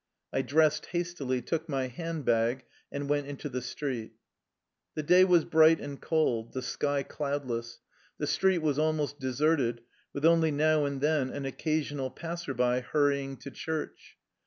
I dressed hastily, took my hand bag, and went into the street. The day was bright and cold, the sky cloud less. The street was almost deserted, with only now and then an occasional passer by hurrying to church.